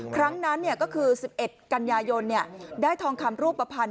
ครั้งนั้นก็คือ๑๑กันยายนได้ทองคำรูปภัณฑ์